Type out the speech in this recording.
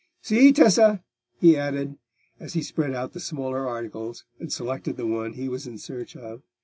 See, Tessa," he added, as he spread out the smaller articles, and selected the one he was in search of.